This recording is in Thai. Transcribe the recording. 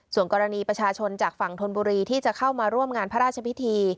ส่วนกรณีประชาชนจากฝั่งธนบุรีที่จะเข้ามาร่วมงานพระราชพิธี